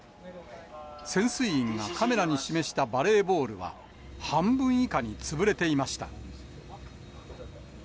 潜水員がカメラに示したバレーボールは、半分以下に潰れていました。